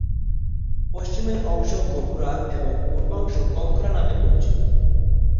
পশ্চিমের অংশ গোবুরা এবং পূর্বাংশ কংক্রা নামে পরিচিত।